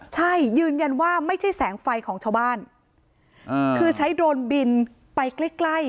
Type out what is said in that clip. ใช่ยืนยันว่าไม่ใช่แสงไฟของชาวบ้านคือใช้โดรนบินไปใกล้ใกล้